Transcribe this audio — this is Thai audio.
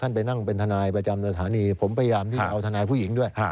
ท่านไปนั่งเป็นทนายประจำผมพยายามเอาทนายผู้หญิงด้วย